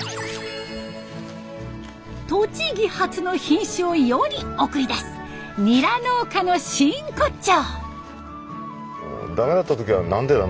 栃木発の品種を世に送り出すニラ農家の真骨頂。